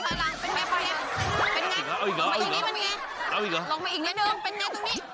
เป็นยังไงลงมาอีกนิดนึงเป็นยังไงตรงนี้